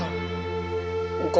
engkau gue kak